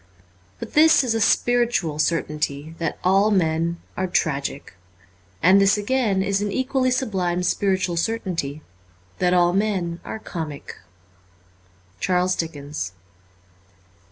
But this is a spiritual certainty, that all men are tragic. And this again is an equally sublime spiritual certaintyi that all men are comic. 'Charles Dickens.'